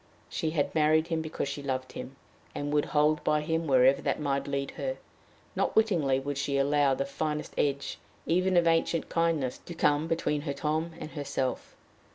She had married him because she loved him, and she would hold by him wherever that might lead her: not wittingly would she allow the finest edge, even of ancient kindness, to come between her Tom and herself!